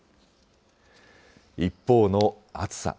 一方の暑さ。